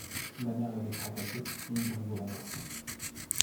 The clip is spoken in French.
La mer l’avait fracassé, et il brisait la mer.